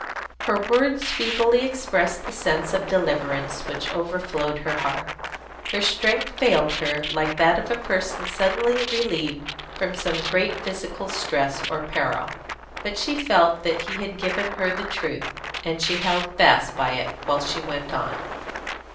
Her words feebly expressed the sense of deliverance which overflowed her heart. Her strength failed her like that of a person suddenly relieved from some great physical stress or peril; but she felt that he had given her the truth, and she held fast by it while she went on.